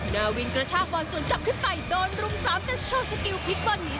นาวินกระชากบอลสวนกลับขึ้นไปโดนรุม๓แต่โชว์สกิลพลิกบอลหนี